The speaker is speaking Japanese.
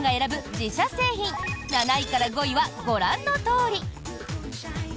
自社製品７位から５位はご覧のとおり。